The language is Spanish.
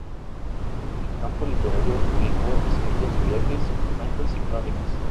En el campo literario publicó escritos de viajes, cuentos y crónicas.